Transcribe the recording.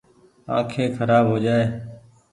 آنکي کرآب هوجآئي ۔